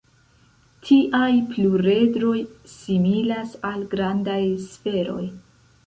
Tiaj pluredroj similas al grandaj sferoj.